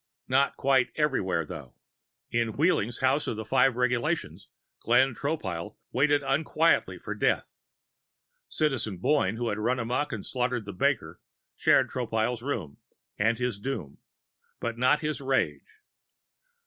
Not quite everywhere, though. In Wheeling's House of the Five Regulations, Glenn Tropile waited unquietly for death. Citizen Boyne, who had run amok and slaughtered the baker, shared Tropile's room and his doom, but not his rage.